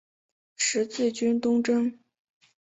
十字军东征。